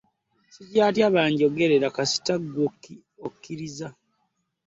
Ssikyatya banjogerera kasita ggwe okkirizza.